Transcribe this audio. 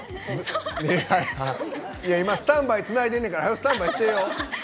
今、スタンバイつないでんねんからはよスタンバイしてよ！